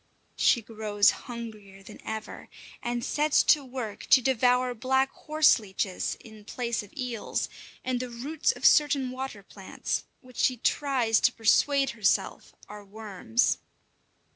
She grows hungrier than ever, and sets to work to devour black horse leeches in place of eels, and the roots of certain water plants, which she tries to persuade herself are worms.